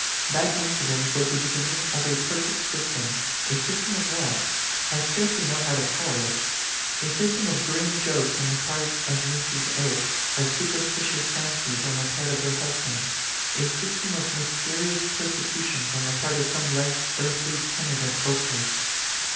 That incident was the beginning of a perfect system a sys tem of what ? I scarcely know how to call it. A system of grim jokes on the part of Mrs. Oke, of superstitious fancies on the part of her husband a system of mysterious persecu tions on the part of some less earthly tenant of Okehurst.